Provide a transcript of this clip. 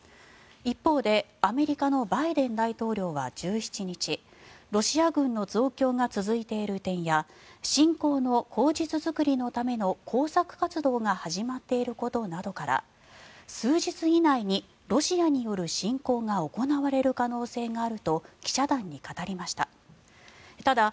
一方でアメリカのバイデン大統領は１７日ロシア軍の増強が続いている点や侵攻の口実作りのための工作活動が始まっていることなどから数日以内にロシアによる侵攻が行われる可能性があると記者団に語りました。